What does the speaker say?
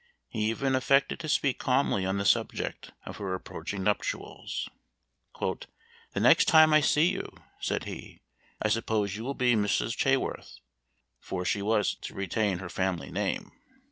He even affected to speak calmly on the subject of her approaching nuptials. "The next time I see you," said he, "I suppose you will be Mrs. Chaworth" (for she was to retain her family name).